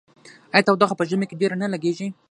آیا تودوخه په ژمي کې ډیره نه لګیږي؟